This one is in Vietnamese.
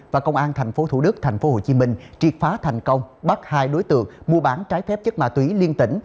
và công an thành phố thủ đức thành phố hồ chí minh triệt phá thành công bắt hai đối tượng mua bán trái phép chất ma túy liên tỉnh